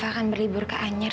akan berlibur ke anyere